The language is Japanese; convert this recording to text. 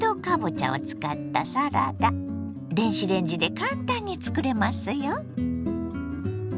電子レンジで簡単につくれますよ。